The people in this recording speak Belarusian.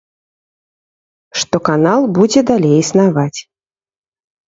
Што канал будзе далей існаваць.